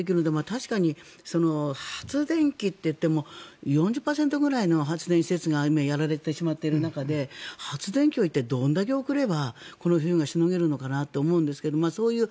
確かに発電機といっても４０％ぐらいの発電施設がやられてしまっている中で発電機をどれだけ送ればこの冬がしのげるのかなって思うんですけどそういう